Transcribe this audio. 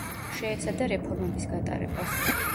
შეეცადა რეფორმების გატარებას.